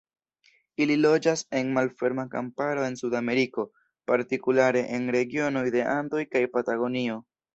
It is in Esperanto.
Ili loĝas en malferma kamparo en Sudameriko, partikulare en regionoj de Andoj kaj Patagonio.